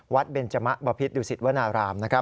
วัดเบนจมะบพิษดิวสิตวนารามนะครับ